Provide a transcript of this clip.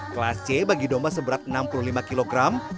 kelas c bagi domba seberat enam puluh lima kg